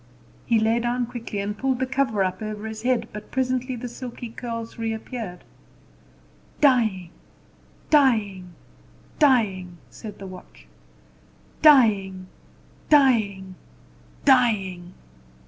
He lay down quickly, and pulled the cover up over his head: but presently the silky curls reappeared. "Dying, dying, dying!" said the watch; "dying, dying, dying!"